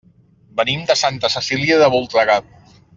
Venim de Santa Cecília de Voltregà.